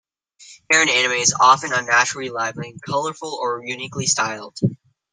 Hair in anime is often unnaturally lively and colorful or uniquely styled.